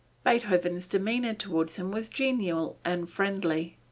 Beethoven's demeanor toward him was genial and friendly.